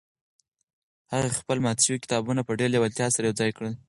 هغې خپل مات شوي کتابونه په ډېرې لېوالتیا سره یو ځای کړل.